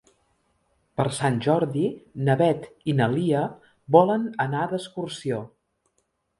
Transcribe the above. Per Sant Jordi na Beth i na Lia volen anar d'excursió.